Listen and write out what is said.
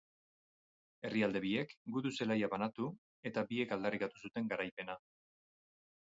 Herrialde biek gudu-zelaia banatu eta biek aldarrikatu zuten garaipena.